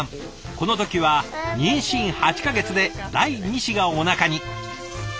この時は妊娠８か月で第２子がおなかに！